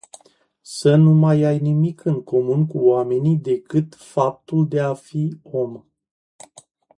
Să nu mai ai nimic în comun cu oamenii decât faptul de afi om.